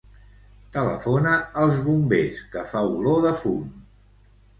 Telefona als bombers, que fa olor de fum.